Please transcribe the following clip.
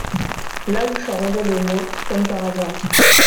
là où ça rendait le moins, comme par hasard.